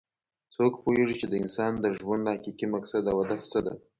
څوک پوهیږي چې د انسان د ژوند حقیقي مقصد او هدف څه ده